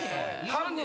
何で？